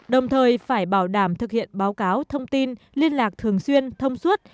đồng thời phải bảo đảm thực hiện báo cáo thông tin liên lạc thường xuyên thông suốt